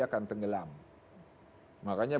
akan tenggelam makanya